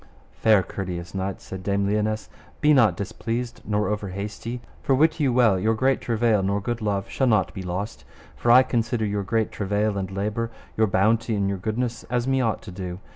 Fair courteous knight, said Dame Lionesse, be not displeased nor over hasty; for wit you well your great travail nor good love shall not be lost, for I consider your great travail and labour, your bounty and your goodness as me ought to do.